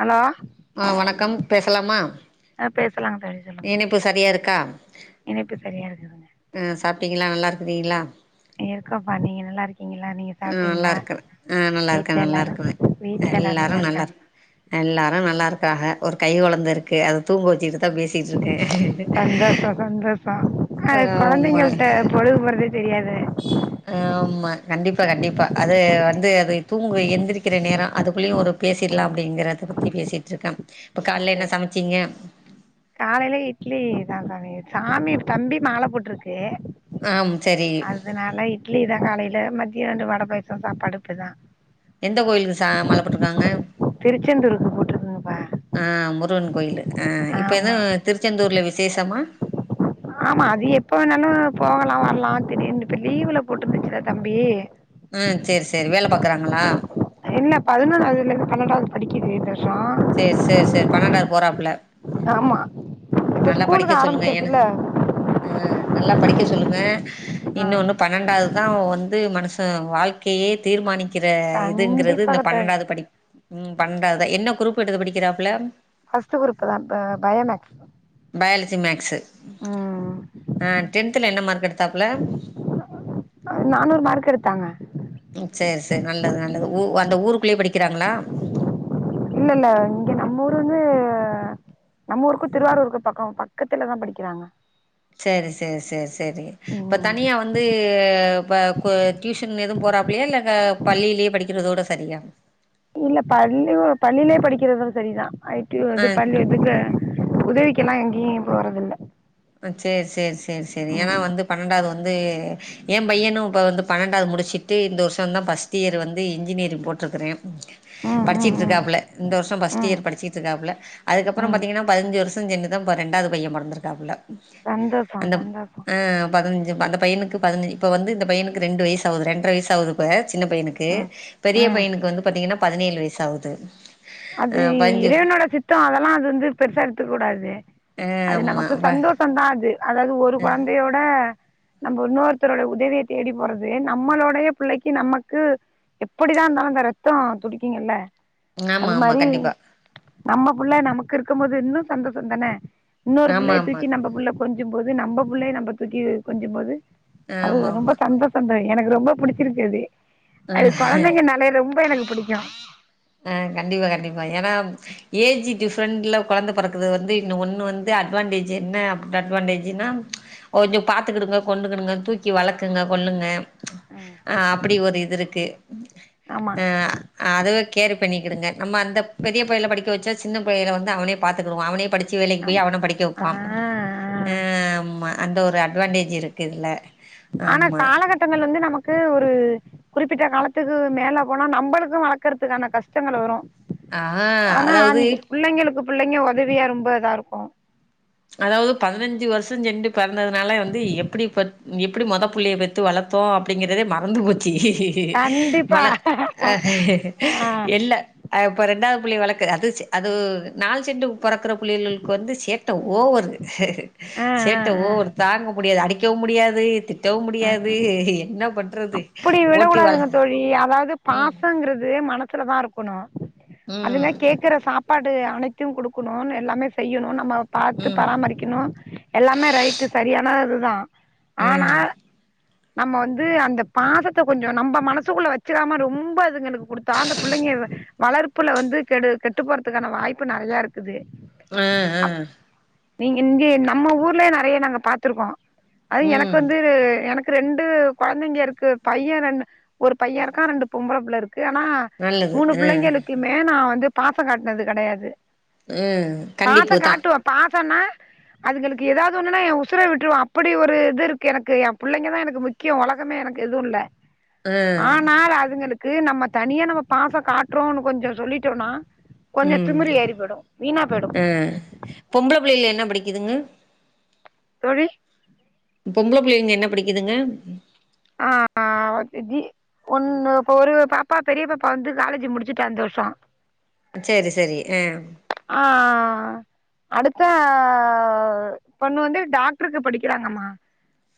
Hello. ஆஹ வணக்கம், பேசலாமா? பே இனைப்பு சரியா இருக்கா? இணைப்பு சரியா இருக்குதுங்க ஆஹ் சாப்பிட்டீங்களா நல்லா இருக் குரிங்கலா இருக்கப்பா, நீங்க நல்லா இருக்கி நல்லா இருக்கறேன். ஆஹ் நல்லா வீட்ல நல்லா எல்லாரு இருக்க. வீட்ல எல்லாரு எல்லாரும் நல்லா இருகரன் இருக்காங்களா எல்லாரும் நல்லா இரு இருக்காக. ஒரு கை ந்தருக்கு அத தூங்க வச்சிக்ட்டுதா பேசிட்டுருக்கே சந்தோஷோ சந்தோஷோ ஆ ஆமா கொழந்தைங்கள்ட்ட பொழுது போறதே தெரியாது. அஹ் ஆமா கண்டிப்பா கண்டிப்பா அது வந்து அது தூங்கு எந்திரிக்கிற நேரொ அதுக்குள்ளய ஒரு பேசிடலா அப்படிங்கறத பத்தி பேசிட்டு இருக்கன் இப்ப காலேல என்ன சமைச்சீங்க. காலையிலே இட்லிதான் சாமி சாமி தம்பி மால போட்ருக்கு ஆம் சரி அதனால இட்லிதா காலையில மத் மதியானம் வட பாயாசொ சாப்பாடு இப்டிதா எந்த கோயிலுக்கு சா மால போட்டருக்காங்க? திருச்செந்தூருக்கு போட்ருக்குங்கப்பா ஆஹ் முருகன் கோயில். ஆஹ் இப்ப எதூ ஆமா திருச்செந்தூர்ல விஷ் விசேஷமா? ஆமா அது எப்ப வேணாலு போகலா வரலா திடீர்னு இப்ப லீவுல போட்டருந்துச்சுல தம்பி. ஹ் சரி சரி வேல பாக்குறாங்களா? இல்ல பதினொன்னாவதுல ருந்து பன்னன்டாவ்து படிக்கிது. சரி சரி சரி பனெண்டாவது போறாப்ல? ஆமா இப்ப நல்லா படிக்க ஸ்கூலுக்கு சொல்லுங்க, ஏனா ஆரம்பிச்சாச்சுல்ல அஹ் நல்லா படிக்க சொல்லுங்க, ஆ இன்ன ஒன்னு பன்னெண்டாவதுதா வந் து மனுச வாழ்க்கையே தீர்மானிக் க்கிற இதுங்கிறது இந்த கண்டிப்பாக தோழி பனெண்டாவது படிப் உம் பணெண்டாவதா என்ன குரூப்பு எடுத்து படிக்கிறாப்புல? ஃபஸ்ட் குரூப் தா ப பயோமேக்ஸ். Biology maths. ம் ஆஹ் டென்த்ல என்ன மார்க் எடுத்தாப்புல? நானூறு மார்க் எடுத்தாங்க சரி சரி நல்லது நல்லது ஊ அந்த ஊருக்குள்ளேயே படிக்கிறாங்களா? இல்ல இல்ல இங்க நம்ம ஊரு வந்து நம்ம ஊருக்கு திருவாரூருக்கு பக்கம் பக்கத்துலதா படிக்கிறாங்க. சரி சரி சரி சரி இப்ப ம் தனியா வந்து இப்ப கொ டியூஷன் எதுவும் போறாப் லயா இல்ல க பள்ளியிலயே படிக்கிறதோட சரியா? இல்ல பள்ளிவு பள்ளிலயே படிக்கிறதோட சரிதா ஐ டி யூ ஆ அது பள்ளி இதுக்கு உதவி க்கெல்லா எங்கேயு போறதுல்ல சரி சரி சரி சரி ஏனா வந்து பன்னெண்டாவது வந்து ந்து எ பையனு இப்போ வந்து பன்னெண்டாவது முடிச்சுட்டு இந்த வருஷொந்தா ஃபஸ்ட் இயர் வந்து இன்ஜினியரிங் போட்டிருக்குறே ம் ம் படிச்சிட்டு ம் இருக்காப்புல இந்த வருஷம் ஃபர்ஸ்ட் ம் இயர் படிச்சிட்டு இருக்காப்புல அதுக்கப்பறம் ம் பாத்தீங்கன்னா பதினஞ்சு வருஷம் சென்னுதா ப ரெண்டாவ்து பைய பொறந்துருக்காப்புல சந்தோஷோ அந்த சந்தோஷோ ஆஹ் பதினஞ் அந்த பையனுக்கு பதின இப்ப வந்து இந்த பையனுக்கு ரெண்டு வயசு ஆவுது ரெண்டரை வயசு ஆவுது இப்ப சின்ன பையனுக்கு ம் பெரிய ம் பையனுக்கு வந்து பாத்தீங்கன்னா பதினேழு வயசு ஆவுது அது இறைவனோட சித்தொ அதெல்லா அது வந்து பெருசா எடுத்துக்க கூடாது ஆ அது ஆமா நமக்கு சந்தோஷோ தா அது அதாவது ஒரு கொழந்தையோட நம்ம இன்னோர்த்தோருடைய உதவிய தேடி போறது நம்மளோடைய பிள்ளைக்கு நமக்கு எப்படிதா இருந்தாலோ இந்த ரத்தோ துடிக்கும்ல ஆமா ஆமா கண்டிப்பா நம்ம புள்ள நமக்கு இருக்கும் போது இன்னும் சந்தோஷம் தானே இன்னொரு ஆமா புள்ளை ஆமா தூக்கி நம்ம புள்ள கொஞ்சம் போது நம்ம புள்ளய நம்ம தூக்கி கொஞ்சும் போது அது ஆமா ரொம்ப ஆமா சந்தோஷோந்தே எனக்கு ரொம்ப புடிச்சிருச்சு அது அது கொழந்தைங்க நாலே ரொம்ப எனக்கு புடிக்கும் அ கண்டிப்பா கண்டிப்பா ஏன்னா ஏஜு டிஃப்ரெண்ட்ல கொழந்த பொறக்கறது வந்து இன்ன ஒண்ணு வந்து அட்வான்டேஜ் என்ன அட அட்வான்டேஜுனா கொஞ்சோ பாத்துக்குடுங்க கொண்டுக்குடுங்க தூக்கி வளக்குங்க கொல்லுங்க ஆ அப்படி ஒரு இது இருக்கு ஆமா ஆ அது கேர் பண்ணிடுங்க நம்ம அந்த பெரிய பயல படிக்க வச்சா சின்ன பயல வந்து அவனே பார்த்துக்குடுவா அவனே படிச்ச வேலைக்கு ஆமா போய் அவன படிக்க ஆ வைப்பான் ஆ ஆமா அந்த ஒரு அட்வான்டேஜ் இருக்குது இதுல ஆனா ஆமா காலகட்டங்கள் வந்து நமக் கு ஒரு குறிப்பிட்ட காலத்துக்கு மேல போனா நம்மளுக்கும் வளர்க்கறதுக்கான கஷ்டங்கள் வரோ ஆ அதாவது பிள்ளைங்க ஒதவியா ரொம்ப இதா இருக்கோ அதாவது பதினஞ்சு வருஷோ சென்று பெறந்ததுனால வந்து எப்படி எப்படி முத புள்ளய பெத்து வளத்தோ அப்படிங்கிறதே மறந்து போச் சு கண்டிப்பா மழ அ ஆ எல்ல இப்ப ரெண்டாவது புள்ளைய வளக்கு அது செ அது நாள் சென்று பொறக்கற புள்ளயுளுக்கு வந்து சேர்த் த ஓவரு ஆ ஆ சேட்டை ஆ ஓவரு தாங்க முடியாது அடிக்க அடிக்கவு முடியாது திட் டவு முடியாது என்ன பண்றது இப்டி ஓட்டி வாழ் விடக்கூடாதுங்க ம் சுலதா இருக்கணோ ம் அதுங்க கேக்கற சாப் ப்பாடு அனைத்தையு குடுக்கணோ நா எல்லாமே செய்யணோ நம்ம பாத்து ம் பராமரிக்கணோ எல்லாமே ரைட்டு சரியான தா ஆனா ம் நம்ம வந்து அந்த பாசத்த கொஞ்சோ நம்ப மனசுகுள்ள வச்சிறாம ரொம்ப இதுங்களுக்கு குடுத்தா அந்த புள்ளைங்க இவ வளர்ப்புல வந்து கெடு கெட்டு போறதுக்கான வாய்ப்பு நெறையா இருக்குது ஆ ஆ நீங்க இங்கே நம்ம ஊர்லேயே நெறைய நாங்க பாத்துருக்கோ அது எனக்கு ம் வந்து எனக்கு ரெண்டு கொழந்தைங்க இருக்கு பைய ரெண் ஒரு பைய இருக்கா ரெண்டு பொம்பளபுள்ள இருக் கு ஆனா நல்லது மூணு ம் பிள்ளைங்களுக்குமே நா வந்து பாசங் காட்னது கடையாது ம் கண்டிப்புதா சன்னா அதுங்களுக்கு ஏதாவது ஒண்ணுன்னா எ உசுரே விட்டுருவ அப்படி ஒரு இது இருக்கு எனக்கு எம் புள்ளைங்கதா எனக்கு முக்கியோ உலகமே எனக்கு எதும் இல்ல ஆ ஆனால் அதுங்களுக் கு நம்ம தனியா நம்ம பாச காட்றோன்னு கொஞ்சோ சொல்லிட்டோனா ம், போயிடு அ, பொம்பள பிள்ளைகள என்ன படிக்குதுங்க தோழி பொம்பள பிள்ளைங்க என்ன படிக்குதுங்க ஆ ஒருத்தி ஜி ஒண்ணு இப்ப ஒரு பாப்பா பெரிய பாப்பா வந்து காலேஜ்ஜூ முடிச்சிட்டா இந்த வருஷோ சேரி சேரி ஆ ஆ அடுத்தா பொண்ணு வந்து டாக்டருக்கு படிக்கிறாங்கம்மா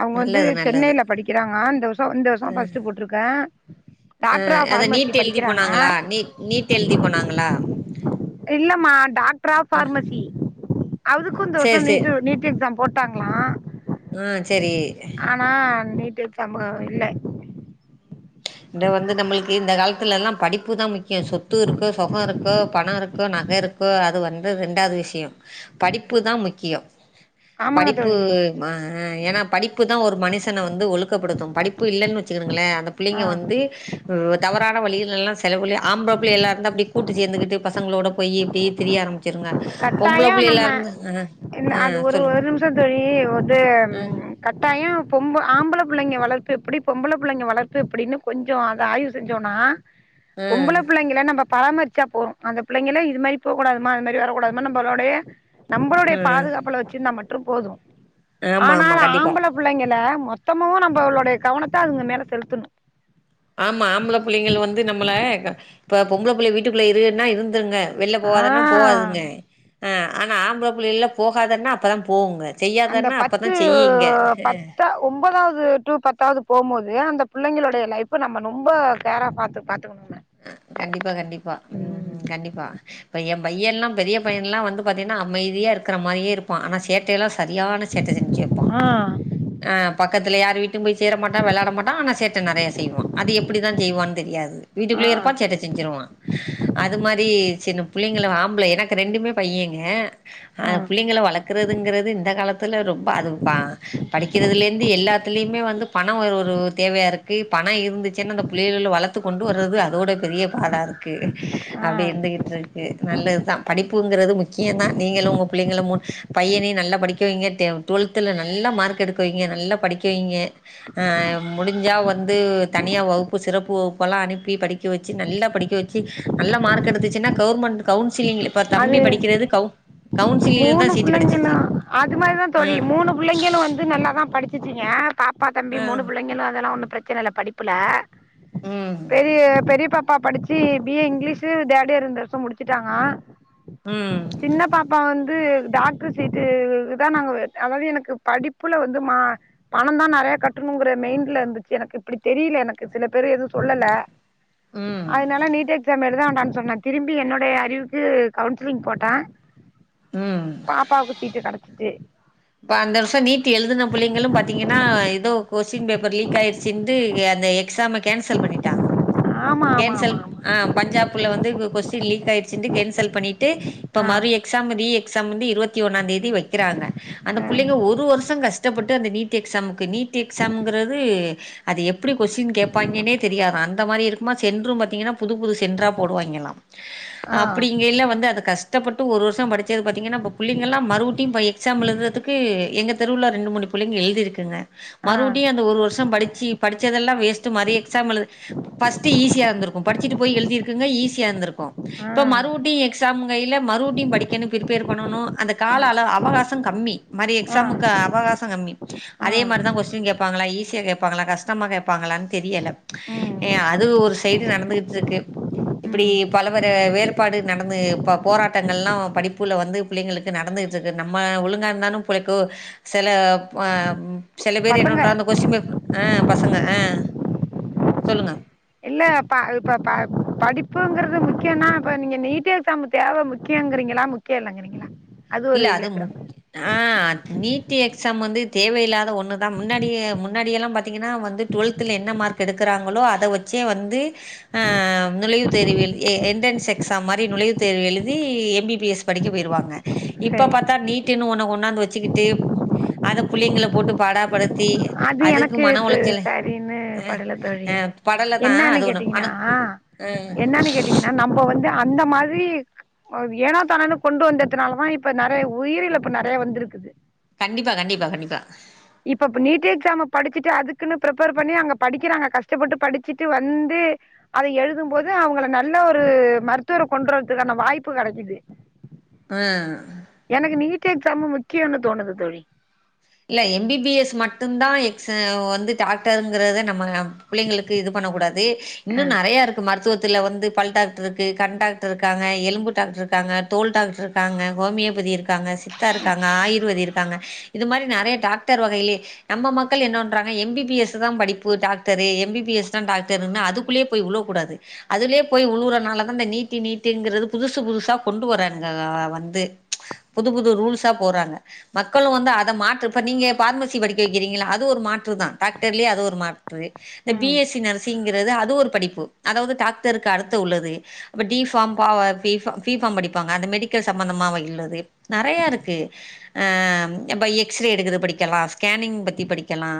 அவங்க வந்து நல்லது நல்லது சென்னையில படிக்கிறாங்க இந்த வருஷோ இந்த வருஷோ ஃபஸ்ட்டு போட்ருக்கே ஆ டாக்டர் ஆஃப் அத ஃபார்மசி நீட் எழுதி படிக்கிறாங்க போனாங்களா நீட் நீட் எழுதி போனாங்களா இல்லம்மா டாக்டர் ஆஃப் ஃபார்மசி அதுக்கு இந்த வருஷோ சேரி சேரி நீட்டு நீட் எக்ஸாம் போட்டாங்ளா ஆ செரி டிசம்ப இல்ல இத வந்து நம்மளுக்கு இந்த காலத்துலல்லா படிப்புதா முக்கிய சொத்து இருக்கு சொக இருக்கு பண இருக்கு நகை இருக்கு அது வந்து ரெண்டாது விஷய படிப்புதா முக்கிய ஆமாங்க படிப்பு தோழி ம ஏனா படிப்பு தா ஒரு மனுசன வந்து ஒழுக்கப்படுத்து படிப்பு இல்லன் வெச்சுக்கிருங்களே ஆ பிள்ளைங்க வந்து தவறான வழிகளெல்லா செலகுல ஆம்பள பிள்ளைகளா இருந்தா அப்டி கூட்டு சேந்துகிட்டு பசங்களோட போய் இப்டி திரிய ஆரம்பி ச்சிருங்க பொம்பள கட்டாயோ புள்ளைகளா நம்ம இருந்து அ ஆ சொல்லுங்க [unintelligible] து ஆ கட் டாய பொம்ப ஆம்பளை புள்ளைங்க வளர்ப்பு எப்படி பொம்பளை புள்ளைங்க வளர்ப்பு எப்புடின்னு கொஞ்சோ அத ஆய்வு செஞ்சோன்னா ஆ பொம்பள புள்ளைங்கள நம்ப பராமரிச்சா போறு அந்த புள்ளைங்களே இது மாரி போ கூடாதுமா இது மாரி வரக்கூடாது நம்ம நம்பரோடைய நம்மளுடைய ஆ பாதுகாப்புல வச்சுருந்தா மட்டு ட்ரு போதும் ஆமா ஆமா ஆனால கண்டிப்பா ஆம்பள புள்ளைங்கள மொத் சுத்தமொ நம்மளுடைய கவனத்த அதுங்க மேல செலுத்தணு ஆமா ஆம்பள பிள்ளைங்கள் வந்து நம்மள இப்ப பொம்பள புள்ளைய வீட்டுக்குள்ள இருனா இருந்துருங்க வெல்ல ஆ போவாதானா போவாதுங்க ஆ ஆனா ஆம்பள புள்ளைகள போகாதன்னா அப்பதா போகுது அந்த பத்து பத்தா ஒம்போதாவது வது டூ பத்தாவது போம்போது அந்த புள்ளைங்கலோடைய லைஃப் நம்ம ரொம்ப ஃகேரா பாத்துப்பன் கண்டிப்பா கண்டிப்பா ம் ம் கண்டிப்பா இப்ப எம் பையன் எல்லா பெரிய பையன்ல்லா வந்து பாத்தீங்கன்னா அமைதியா இருக்குறா மாரியே இருப்பா ஆனா சேட்டையெல்லா சரியான சேட்ட செஞ்ச்சு வப்பா ஆ பக்கத் யும் வீட்ட போய் சேர மாட்டா வெளாட மாட்டா ஆனா சேட்ட நெறைய செய்வா அது எப்டிதா செய்வான்னு தெரியாது ஆ வீட்டுக்குள்ளேயே இருப்பா சேட்டை செஞ்சிருவா அது மாரி சின்ன புள்ளைங்க ஆம்பள எனக்கு ரெண்டுமே பையங்க அ ஆ புள்ளைங்கள வளர்க்கறதுங்குறது இந்த காலத் இதுல ரொம் அதுவுப்பா படிக் இதுலருந்து எல்லாத்துலயுமே வந்து பணம் ஒரு ஒரு தேவையாருக்கு பணம் இருந்துச்சுன்னு அந்த புள்ளகல வளத்துக் கொண்டு கொண்டு வர்றது அதோட பெரிய பாடாருக்கு ஆ அப்டி இருந்துகிட்டுரு க்கு நல்லதுதா படிப்புங்றது முக்கியந்தா நீங்களு உங்க புள்ளைங்களு மு பையனையு நல்லா படிக்க வைங்க டே ட்டுவெல்த்துல நல்லா மார்க் எடுக்க வைங்க நல்லா படிக்க வைங்க அ முடிஞ்சா வந்து தனியா வகுப்பு சிறப்பு வகுப்பு ப்பல்லா அனுப்பி படிக்க வச்சு நல்லா படிக்க வச்சு நல்லா மார்க் எடுத்துச்சுனா கவர்ன்மெண்ட் கவுன் அது கவுன்சிலிங்ல தா மூணு சீட்டு புள்ளைங்களு கெடச்சிச்சு அது மாரிதா ஆ தோழி மூணு புள்ளைங்களு வந்து நல்லாதா படிச்சுச்சுங்க பாப் ப்பா தம்பி ஆ மூணு புள்ளைங்களு அதெல்லா ஒன்னு ப்ரச் ச்சனல்ல படிப்புல ம் பெரிய பெரியபாப் ப்பா படிச்சு பி ஏ இங்கிலீஷு ஃதேடியர் இந்த வர்ஷொ முடுச்சுட்டாங்க ம் சின்ன பாாப்பா வந் து‌ டாக்டர் சீட்டுக்துதா நாங்க அதாது எனக்கு படிப்புல வந்து மா பணந்தா நெறையா கட்டணுங்குற மைண்ட்ல இந்துச்சு எனக்கு இப்டி தெரில எனக்கு சில பேரு எதுவு சொல்லல ம் அதனால நீட் எக்ஸாம் எழுத னான் சொன்னாங்க திரும்பி என்னுடைய அறிவுக்கு கவுன்சிலிங் போட்ட ம் பாப்பாவுக்கு சீட்டு கெடச்சிட்டு இப்ப அந்த வருஷோ நீட் எழுதுன புள்ளைங்களு பாத்தீங்கனா எதோ கொஸ்டின் பேப்பர் லீக் ஆயிருச்சின்ட்டு அந்த எக்ஸாம கேன்சல் பண்ணிட்டாங்க ஆமா ஆமா கேன்சல் ஆமா ஆமா அ பஞ்சாப்ல வந்து கொஸ்டின் லீக் ஆயிடுச்சுன்ட்டு கேன்சல் பண்ணிட் ட்டு இப்ப ஆ மறு எக்ஸாமு ரீ சம்மந்தி இருவத்தி ஒன்னாந் தேதி வெக்கிறாங்க அந்த ஆ புள்ளைங்க ஒரு வருஷ கஷ் டப்பட்டு அந்த நீட் எக்ஸாமுக் கு நீட் எக்ஸாம்ங்குறது அது எப்புடி கொஸின் கேப்பாயிங்கனே தெரியாதா அந்த மாரி இருக்குமா சென்ட்ரும் பாத்தீங்கனா புது புது சென்ட்ரா போடுவாயிங்களா ஆ அப்புடி இங்கே எல்லா வந்து அது கஷ் டப்பட்டு ஒரு வருஷ படிச்சது பாத்தீங்கனா இப்ப புள்ளைங்கெல்லா மறுபுட்டி ப எக்ஸாம் எழுததுக் க்கு எங்க தெருவுல ரெண்டு மூணு புள்ளைங்க எழுதியிருக்குங்க ஆ மறுபுடியு அந்த ஒரு வருஷம் படிச் ச்சி படிச்சதெல்லா வேஸ்ட்டு மாரி எக்ஸாம் எழுத ஃபஸ்ட்டு ஈஸியா இருந்துருக்கு படிச்சிட்டு போய் எழுதிருக்குங்க ஈஸியா இருந்துருக்கு ஆ இப்ப மறுபுடியு எக் க்ஸாம்கைல மறுபுட்டியு படிக்கிணு ப்ரிப்பேர் பண்ணனு அந்த ஆ கால அள அவகாசங் கம்மி மாரி ஆ எக்ஸாமுக்கு அவகாஸ் சங்கம்மி ஆ அதே மாரிதா கொஸ்டின் கேப் பாங்களா ஈஸியா கேப்பாங்களா கஷ்டமா கேப்பாங்களான் தெரியல ம் ஏ அது ஒரு சைடு நடந்துகிட்ருக்கு இப்புடி ம் பலவர வேறுபாடு நடந்து பா போராட்டங்கள்லா படிப்புல வந்து புள்ளங்களுக்கு நடந்துகுட்ருக்கு நம்ம ஒழுங்கா இருந்தாலும் [unintelligible] செல ப ம் சில பேர் பசங்க என்னொண்டா அந்த கொஸின் பேப் அ ஃப பசங்க ஆ சொல்லுங்க இல்ல ப்ப இப்ப ப படிப்புங்குறது முக்கியனா அப்ப நீங்க நீட்டு எக்ஸாம் தேவ முக்கியங்றிங்களா முக்கிய இல்லங்கறிங்களா இல்ல அது முக் ஆ நீட்டு எக்ஸாம் வந்து தேவையில்லாத ஒன்னுதா முன்னாடியே முன்னாடியெல்லா பாத்திங்கனா வந்து டுவெல்த்துல என்ன மார்க் எடுக்குறாங்களோ அத வெச்சே வந்து ஆ நுழைவுத் தேர்வு எழு எ என்ட்ரன்ஸ் எக்ஸாம் மாரி நுழைவுத் தேர்வு எழுதி எம் பி பி எஸ் படிக்க போய்ருவாங்க இப்ப சரி பாத்தா நீ ட்டுனு ஒன்ன கொண்டாந்து வச்சுக்கிட்டு அத புள்ளைங்கள போட்டு பாடாப்படுத் அது எனக்கு து சரின்னு ஆ படல தோழி ஆ படலதா என்னான்னு அது ஒண்ணு மன கேட்டிங்னா ஆ என்னான்னு கேட்டிங்னா நம்ப வந்து அந்த மாரி க் ஏனா தானோன்னு கொண்டு வந்தத்துனாலதா இப்ப நறை உயிரிழப்பு நறைய வந்துருக்குது கண்டிப்பா கண்டிப்பா கண்டிப்பா ச்சுட்டு அதுக்குன்னு ப்ரிப்பேர் பண்ணி அங்க படிக்கிறாங்க கஷ்டப்பட்டு படிச்சுட்டு வந்து அத எழுதும்போது அவங்கள நல்ல ஒரு மருத்துவர் கொண்டுவரத்துகான வாய்ப்பு கெடைக்கிது ஆ எனக்கு நீட்டு எக்ஸாமு முக்கியோனு தோணுது தோழி இல்ல எம் பி பி எஸ் மட்டுந்தா எக்ஸ் வந்து டாக்டருங்குறத நம்ம புள்ளைங்களுக்கு இது பண்ணக்கூடாது இன்னு அ நறையாருக்கு மரு த்துவத்துல வந்து பல் டாக்டர்ருக்கு, கண் டாக்டர் இருக்காங்க, எலும்பு டாக்டர்ருக்காங்க, தோல் டாக்டர் இருக்காங்க, ஹோமியோபதி இருக் காங்க, சித்தா இருக்காங்க, ஆயுர்வேதி இருக்காங்க இது மாரி நறைய டாக்டர் வகையிலே நம்ம மக்கள் என்ன பண்றாங்க எம் பி பி எஸ் தா படிப்பு doctor M B B S தா டாக்டருன்னு அதுக்குள்ளயே போய் வுழுவக்கூடாது அதுலயே போய் வுழுவுறனாலதா இந்த நீட்டு நீட்டுங்குறது புதுசு புதுசா கொண்டு வராங்க அ வந்து புது புது ரூல்ஸா போட்றாங்க மக்களு வந்து அத மாத் து இப்ப நீங்க பார்மசிப் படிக்க வெக்கிறீங்கல்ல அது ஒரு மாற்று தா டாக்டர்லயே அது ஒரு மா தோழி இந்த பி ம் எஸ் சி நர்சிங் கிறது அது ஒருப் படிப்பு அதாவது டாக்டருக்கு அடுத்த உள்ளது இப்ப டி ஃபார்ம் பாவ பீ ஃப பீ ஃபார்ம் படிப்பாங்க அந்த மெடிக்கல் சம்மந்தமாவயுள்ளது நறையாருக்கு அஹ் இப்ப எ க்ஸ்ரே எடுக்கற்து படிக்கலா ஸ்கேனிங் பத்திப் படிக்கலா